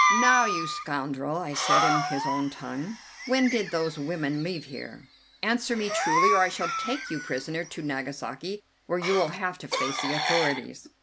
"Now, you scoundrel," I said in his own tongue, "when did those women leave here? Answer me truly, or I shall take you prisoner to Nagasaki, where you will have to face the authorities."